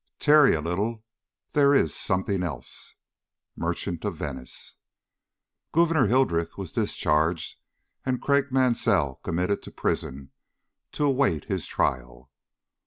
Tarry a little there is something else. MERCHANT OF VENICE. GOUVERNEUR HILDRETH was discharged and Craik Mansell committed to prison to await his trial.